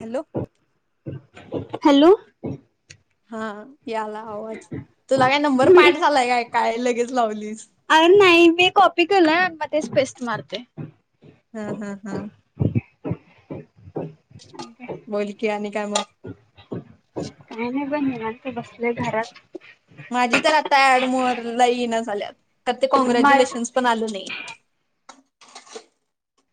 Hello. Hello. हा याला आवाज तुला काय नंबर पाठ झालाय काय काय लगेच लावलीस. अर नाही मी कॉपी केलं आणि मग तेच पेस्ट मारते हा हा हा. बोल की आणि काय मग? काही नाही बघ निवांत आहे तर बसले घरात. माझी तर आता ऍड मोरलाही न झाल्यात तर ते माझ कॉग्रॅच्युलेशन्स पण आल नाही.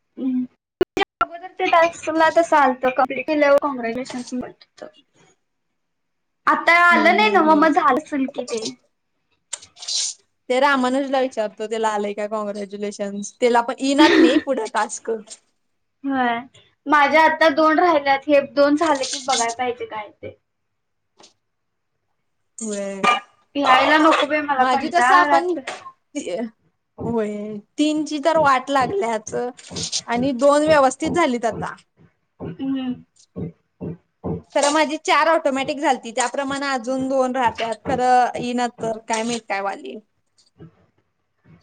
रिकामा ऑडिओ अगोदर ते [unintelligible] आता हम्म आलं नाही हम्म नव हम्म मग झालं असल कि ते. ते रामानुजला विचारतो त्याला आलाय का कॉग्रॅच्युलेशन्स त्याला पण इनात नाही पुढे टास्क. ह माझ्या आता दोन राहिल्यात हे दोन झाले की बघाय पाहिजे काय ते. होय. लिहायला नको बाई मला माझी तसं कंटाळा आपण आलाय. होय तीनची तर वाट लागल्याच. आणि दोन व्यवस्थित झालीत आता. रिकामा ऑडिओ खरं माझी चार ऑटोमॅटिक झालती त्याप्रमाणे अजून दोन राहत्या खरं येईना. तर काय मी काय वाली.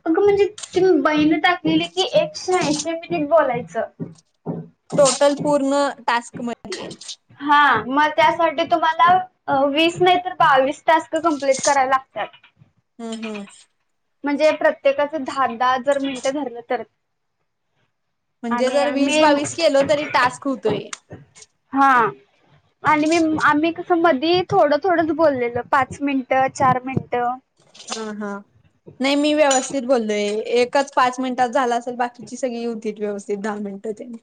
अग म्हणजे त्या बाईंनी टाकलेली की एकशे ऐंशी मिनिट बोलायचं. टोटल पूर्ण टास्क मध्ये. हा मग त्यासाठी तुम्हाला वीस नाही तर बावीस टास्क कम्प्लीट कराय लागतात. हम्म हम्म. म्हणजे प्रत्येकाचं दहा दहा जर मिनटं धरलं तर.. म्हणजे आणि जर वीस आम्ही बावीस केल तरी टास्क होतोय. हा. आणि मी आम्ही कसं मधी थोडं थोडंच बोललेल पाच मिनिटं चार मिनटं. हा हा नाही मी व्यवस्थित बोललोय एकच पाच मिनिटात झाला असेल बा ची सगळी हुतीत व्यवस्थित दहा मिनिटं त्यांनी.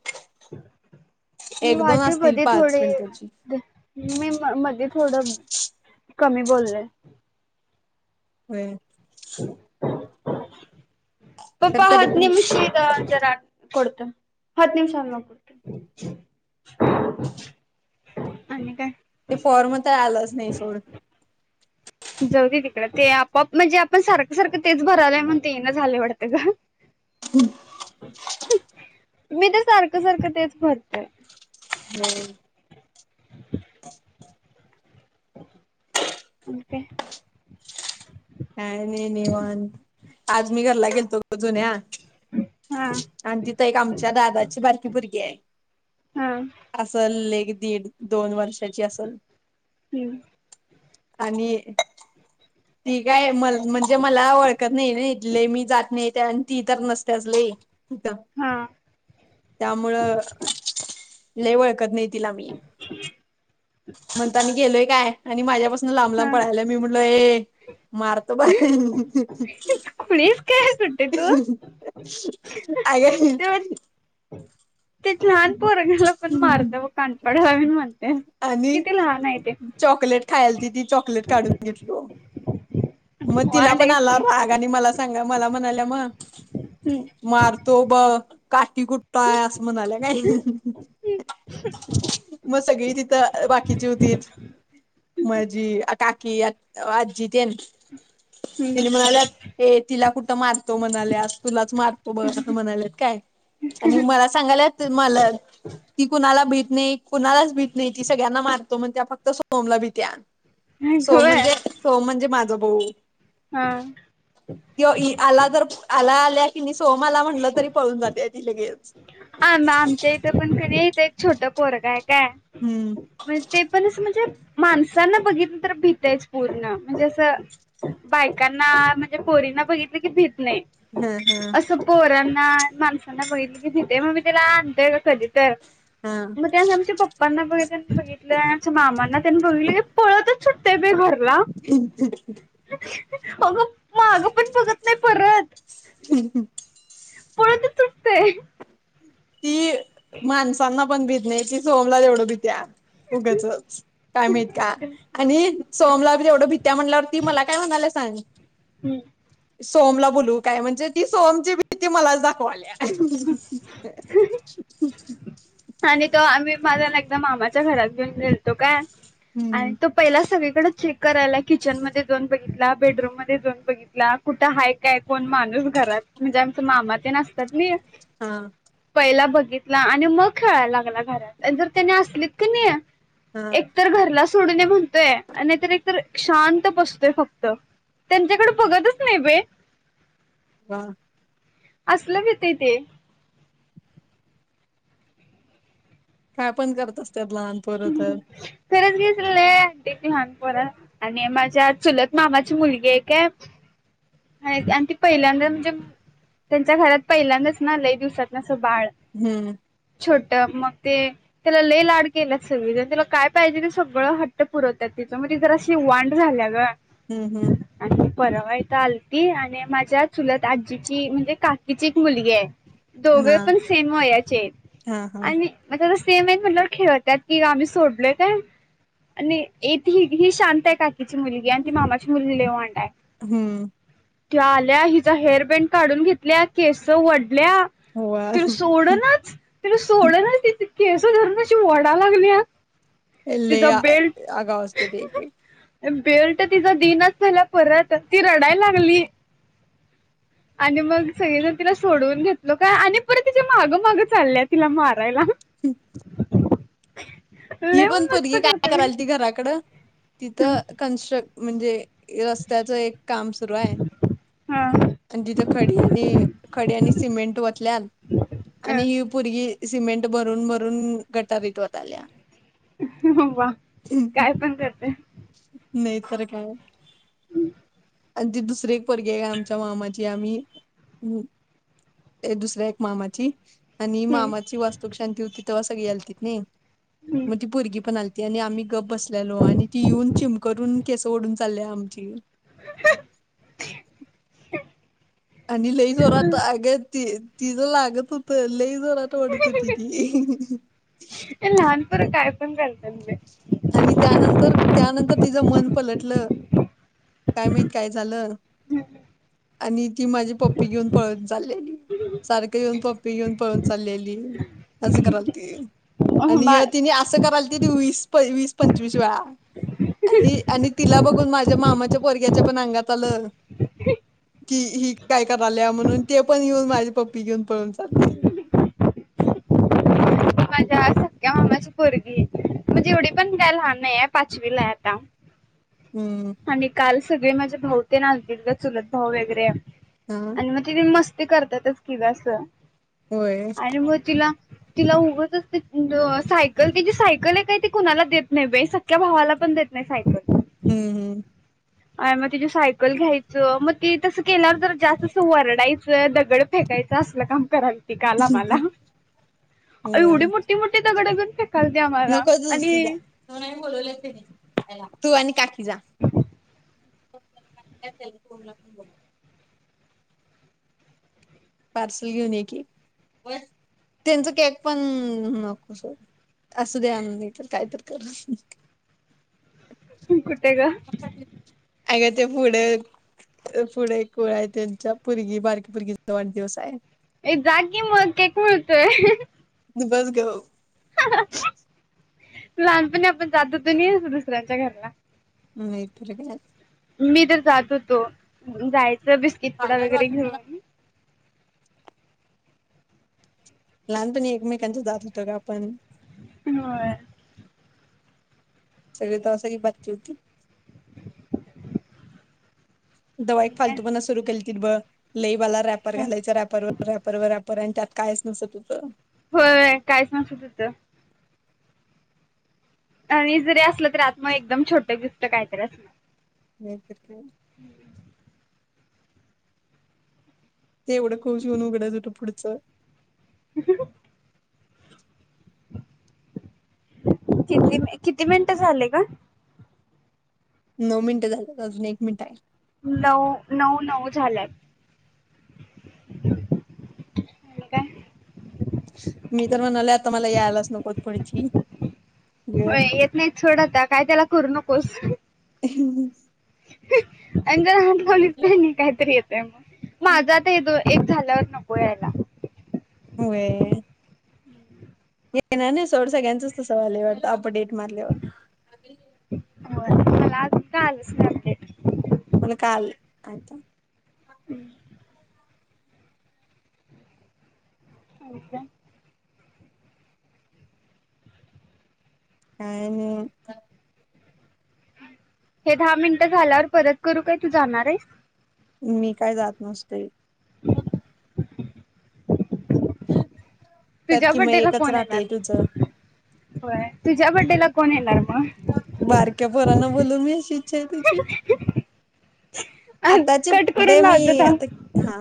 मी एक दोन माझे असतील मध्ये पाच थोडे मिनिटांची. मी म मध्ये थोडं कमी बोललोय. होय. [unintelligible] [unintelligible] तर तरी पण आणि काय ते फॉर्म तर आलंच नाही सोड. जाऊती तिकड ते आपआप म्हणजे आपण सारखं सारखं तेच भरालंय म्हण ते ये ना झाले वाटतं का. हो मी ते सारखं सारखं तेच भरतय. हम्म! आणि काय निव आज मी घरला गेलतो. अजुून्या हा आणि तिथं एक आमच्या दादाची बारकी भरगी आहे. हा असल एक दीड दोन वर्षाची असेल हम्म आणि ती काय म म्हणजे मला ओळखत नाही ना इथले मी जात नाही आणि ती तर नसते असले. तथ हा त्यामुळं लय वळखत नाही तिला मी म्हणता मी गेलोय काय आणि माझ्यापासून लांब लांब हा पळायला. मी म्हटलो ए मारतो बा. खुळीस काय सुट्टी तू अे. ते ते लहान पोरगाला पण मारत व काणपड हवीण म्हणते. आणि किती लहान आहे ते चॉकलेट खायल त ती चॉकलेट काढून घेतलो. मग तिला वांड पण आहेस आला की राग आणि मला सांगा मला म्हणाल्या मग हम मारतो ब काठी कुट्टाय असं म्हणाल्या काय मग सगळी तिथं बाकीची होती मझी काकी आजी तेन तिने हम्म म्हणाल्या ए तिला कुठ मार तो म्हणाले आज तुलाच मारतो बघ असं म्हणालेत काय आणि मला सांगायला मला की कुणाला भेटणे. कुणालाच भीत नाही ती सगळ्यांना मारतो मण त्या फक्त सोमला भीिते सोम होय. म्हणजे. होो म्हणजे माझा भाऊ. हा. किं आला जर आला आल्या की मी सोहम आला म्हटलं तरी पळून जाते आधी लगेच. आ आमच्या इथं पण कधी इथं एक छोटं पोरग आहे काय. हम्म! ण ते पण असं म्हणजे माणसांना बघितलं तर भीतायच पूर्ण म्हणजे असं. बायकांना म्हणजे पोरींना बघितलं की भित नाही. हम् हम्! पोर्यांना माणसांना बघितलं की तथे मग मी त्याला आणतोय का कधीच. तर हा. मग त्या आमच्या पप्पांना बघित बघितलं आणि आमच्या मामांना. बघली पळतच सुुट्ट बी घरला. अगं मागं पण बघत नाही परत. हम्. पळत तुटतेय. ती माणसांना पण भीित नाही ती सोमला तेवढं भीित्या. उगचच काय माहीत का आणि सोमलाी तेवढ भित्या म्हणल्यावर. ती मला काय म्हणाल्या सांग सोहम ला बोलवू काय म्हणजे ती सोहम ची भीती ते मला दाखवाले. आणि तो आम्ही माझ्याला एकदा मामाच्या घरात घेऊन गेलतो काय हम्म आणि तो. पहिला सगळीकडें चेक करायला किचनमध्ये जाऊन बघितला बेडरूम म जाऊन बघितला. कुठं हाय काय कोण माणूस घरात म्हणजे आमच मामा ते नसतात ना. हा. पहिला बघितला आणि मग खेळायला लागला घरात जर त्यानी असलीत की नाही. हा. एकतर घरला सोडणे म्हणतोय आणि नाहीतर एकतर शांत बसतोय फक्त. त्यांच्याकड बघतच नाही बई. [unintelligible] असलं भितय ते, काय पण करत असतात. लहान पोरं तर, खरंच घेतय, लहानपात आणि माझ्या चुलत मामाची मुलगी ये काय. आणि ती पहिल्यांदा म्हणजे, त्यांच्या घरात पहिल्यांदाच ना लंय दिवसातन असं बाळ. हम्म. छोट मग ते, त्याला लै लाड केल्यात सगळीजन तिला काय पाहिजे ते सगळं हट्ट पुरवतात, तिचं म्हणजे जरास. वांड झाल्या गं. हम्म हम. आणि परवा इथं आल ति आणि माझ्या चुलात आजीची म्हणजे, काकीची एक मुलगी आहे. दोघे हा पण सेम वयाचेत हा हा आणि, मग त्या सेम आहेत म्हटलं खेळतात की आम्ही सोडलोय काय. आणि येेत ह ही शांत आहे, काकीची मुलगी आणि ती मामाची मुलगी लै वांडाय. हम्म. ति आल्या हिचा हेअर बेंड काढून घेतल्या केस वढल्या. हो तिला सोड नाच, तिला सोड नाच तिचं केस धरून अशी वडाल्यागल्या. लै अगाव असत्यात एक एक. बेल्ट तिचा दिनच झाला परत ती रडायला लागली. आणि मग सगळी जण तिला, सोडवून घेतलो काय आणि परत तिचे मागं मागं चालल्यात. तिला मारायला. ही लय पण मस्त पलगी काय करते बाई कराल, ती घराकड तिथं कनस्ट्र म्हणजे रस्त्याच एक काम सुरू आहे. हा आणि तिथं खडी आणि खडी आणि सिमेंट वतल्या. हा आणि ही पोरगी सिमेंट भरून भरून गटारित वताल्या. वा! काय पण करते. नाही तर‌ काय. आणि ती दुसरीे एक पोरगी हाय काय आमच्या मामाची आम्ही, ते दुसऱ्या एक मामाची. आणि मामाची वास्तूकशांती होती. तेव्हा सगळी आलती नी हम्म मग ती पोरगी पण आलती. ती आणि आम्ही गप बसलेलो. आणि ती येऊन चिमकरून केस ओढून चाले आमची. आणि लई जोरात अगं तिझ लागत होतं लई जोरात. तोडत होती ती. काय लहानपर पण करत्यात बाई. आणि त्यानंतर, त्यानंतर तिचं मन पलटलं. काय माहित काय झालं, आणि ती माझी पप्पी घेऊन पळत चालेली. सारखं येऊन पप्पी येऊन पळून चालेली असं करालती. आणि बाई तिने असं करालती, वीस वीस पंचवीस वेळा. आणि आणि तिला बघून माझ्या मामाच्या पोरग्याच्या पण अंगात आलं. कि ही काय कराल्या म्हणून, ते पण येऊन माझे पप्पी घेऊन पळून चालेल. मज्जा चं. माझी पोरगी म्हणजे, एवढी पण काय लहान नाही आहे पाचवी ला हाय आता. हम्म. आणि काल सगळे माझे, भाऊ तेन आलतीत गं चुलत भाऊ वगैरे. हा. आणि मग ति मस्ती करत्यातच कि गं, अस होय आणि मग तिला. तिला उगड असते सायकल क जे सायकल आहे काय ते कुणाला देत नाही बे सख्या भावाला पण देत नाही साब हम्म हम्म. आणि मग तिची सायकल घ्यायचं मग ती तसं केल्यावर तर जास्त अस वरडायचं दगड. फेकायचं असलं काम कराल ति काला आम्हाला होय एवढी मोठी मोठी दगड घेऊन फेकत्या काल ते आम्हाला आणि ते नाही बोलवल्यात तेनी तू आणि काकी जा बोल [unintelligible] पार्सल घेऊन येकी. त्यांच केक पण नको सोड असू दे आणुदे नाही तर काय तर कर कुठे गं. अग ते पुढं. पुढे एक कुळ आहे त्यांच्या पुरगी बारकी पुरगीचा वाढदिवस आहे. ये जाकी मग केक मिळतोय. बस गप्प. लहानपणी आपण जात होतो नाही. दुसऱ्यांच्या घरला नाही तर काय मी तर जात होतो जायचं बिस्किटपडा वगैरे घेऊन. लहानपणी एकमेकांचं जात होतं का आपण हो. सगळी तर अस बकी होती. दवा आणि एक काय फालतू प सुरू केली त ब लईवाला रॅपर काय घालायचं रॅपरवर रॅपरवर रॅर पण त्यात कायच नसंत होत. होय काहीच नसत होतं. आणि जरी असलं तरी आत मग एकदम छोट गिफ्ट काहीतरी असणार नाहीत [unintelligible] ते एवढं खुश होऊन उघडायच होत पुढचं ह. किती किती मिनिटं झाले गं. नऊ मिनिट झाल्यात अजून एक मिनिट आहे. नऊ नऊ नऊ झाल्यात. काय मी तर म्हणालेत आता यायलाच नको पुढची गप होय येत नाही घे आता काय त्याला करू नकोस. हम्. अच काहीतरी येतय मग माझा आता येतो एक [unintelligible] झाल्यावर नको याला होय. येणार नाही सोड सगळ्याचच तस यायंलागलय वाटत अपडेट मारल्यावर. होय मला अजुन काय आलच नाही मला काय आलत हम्म. होय काय. काय नाही. हे दहा मिनटं झाल्यावर परत करू काय तू जाणार आहेस. मी काय जात नसते. ह [unintelligible] कर तुझ्या कि मग बड्डेला एकच कोण येणार राहतय मग तुझं. होय तुझ्या बड्डे ला कोण येणार मग बारक्या पोरांना बोलू मी अशी इच्छा आहे तिची. मग आताची कट करून बड्डे मी लावतो थांब आता हा